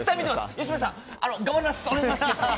吉村さん、頑張ります！